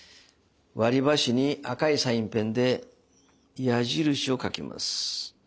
割りばしに赤いサインペンで矢印を書きます。